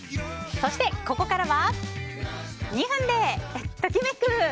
そしてここからは２分でトキめく！